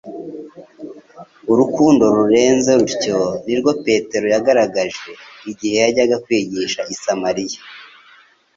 Urukundo nurueze rutyo ni rwo Petero yagaragaje, igihe yajyaga kwigisha i Samariya.